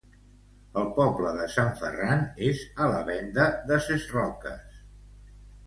El poble de Sant Ferran és a la vénda de ses Roques.